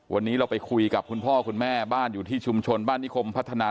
วันนี้เราไปคุยกับคุณพ่อคุณแม่บ้านอยู่ที่ชุมชนบ้านนิคมพัฒนา